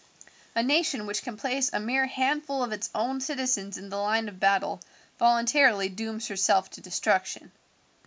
A nation which can place a mere handful of its own citizens in the line of battle voluntarily dooms herself to destruction."